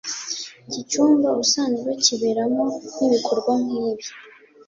Iki cyumba ubusanzwe kiberamo n’ibikorwa nk’ibi